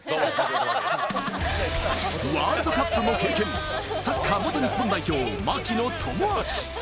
ワールドカップも経験、サッカー元日本代表・槙野智章。